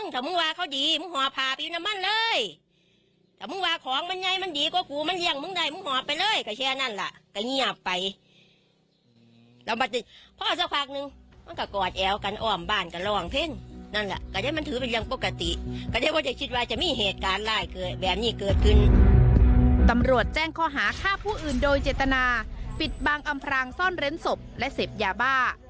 ตำรวจแจ้งข้อหาฆ่าผู้อื่นโดยเจตนาปิดบังอำพรางซ่อนเร้นศพและเสพยาบ้า